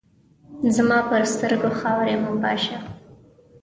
زما پر سترګو خاوري مه پاشه !